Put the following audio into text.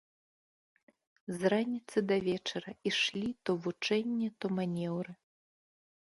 З раніцы да вечара ішлі то вучэнне, то манеўры.